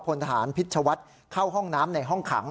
พลทหารพิชวัฒน์เข้าห้องน้ำในห้องขัง